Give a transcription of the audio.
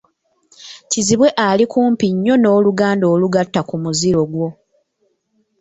Kizibwe ali kumpi nnyo n’oluganda olugatta ku muziro gwo.